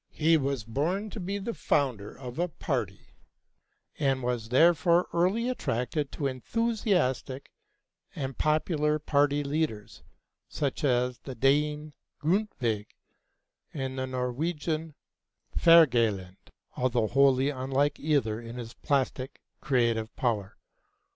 He was born to be the founder of a party, and was therefore early attracted to enthusiastic and popular party leaders, such as the Dane Grundtvig and the Norwegian Wergeland, although wholly unlike either in his plastic, creative power.